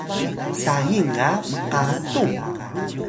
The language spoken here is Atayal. saying ga mqatung